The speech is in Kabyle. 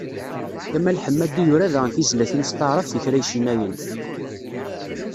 Kamal Ḥemmadi yura daɣen tizlatin s taɛrabt i kra icennayen.